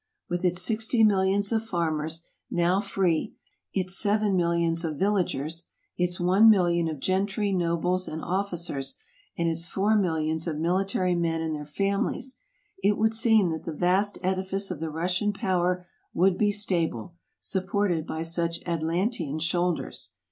With its sixty millions of farmers, now free ; its seven millions of villagers, its one million of gentry, nobles, and officers, and its four millions of military men and their families, it would seem that the vast edifice of the Rus sian power would be stable, supported by such Atlantean shoulders.